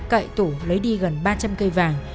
cậy tủ lấy đi gần ba trăm linh cây vàng